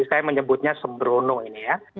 saya menyebutnya sembrono ini ya